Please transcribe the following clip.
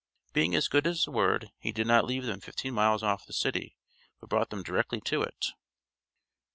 Being as good as his word, he did not leave them fifteen miles off the city, but brought them directly to it."